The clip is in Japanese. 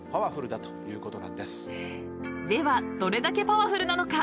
［ではどれだけパワフルなのか？］